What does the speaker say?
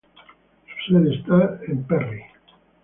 Su sede está en Perry.